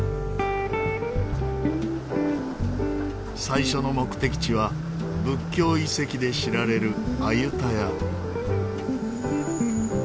最初の目的地は仏教遺跡で知られるアユタヤ。